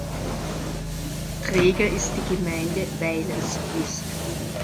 Träger ist die Gemeinde Weilerswist.